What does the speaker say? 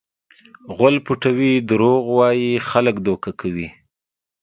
غول پټوي؛ دروغ وایي؛ خلک دوکه کوي.